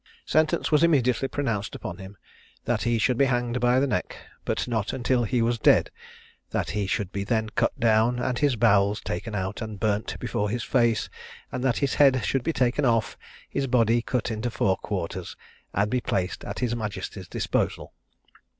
Sentence was immediately pronounced upon him, "that he should be hanged by the neck, but not until he was dead; that he should then be cut down, and his bowels taken out and burnt before his face; and that his head should be taken off, his body cut into four quarters, and be placed at his majesty's disposal."